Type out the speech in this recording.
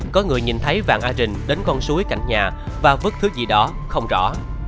có người nhìn thấy vàng a rình đến con suối cạnh nhà và vứt thứ gì đó không rõ